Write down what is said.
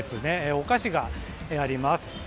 お菓子があります。